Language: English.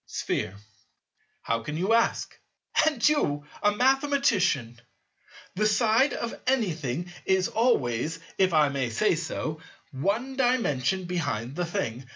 Sphere. How can you ask? And you a mathematician! The side of anything is always, if I may so say, one Dimension behind the thing.